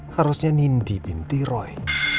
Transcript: harusnya nindi binti roy